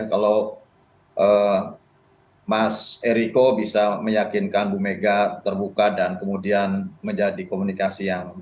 kalau mas eriko bisa meyakinkan bu mega terbuka dan kemudian menjadi komunikasi yang